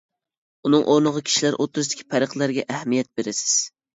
ئۇنىڭ ئورنىغا كىشىلەر ئوتتۇرىسىدىكى پەرقلەرگە ئەھمىيەت بېرىسىز.